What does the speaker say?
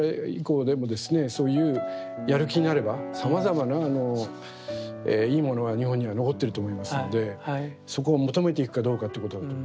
そういうやる気になればさまざまないいものは日本には残ってると思いますのでそこを求めていくかどうかってことだと思いますけれども。